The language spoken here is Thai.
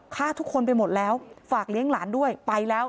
ฆ่าทุกคนไปหมดแล้วฝากเลี้ยงหลานด้วยไปแล้ว